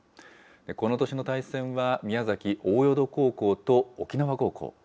この年の対戦は、宮崎・大淀高校と沖縄高校。